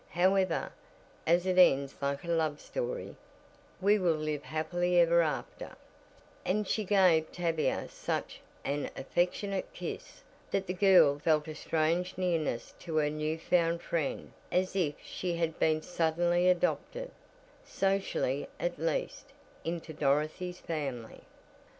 However, as it ends like a love story, we will live happily ever after," and she gave Tavia such an affectionate kiss, that the girl felt a strange nearness to her new found friend as if she had been suddenly adopted, socially at least, into Dorothy's family.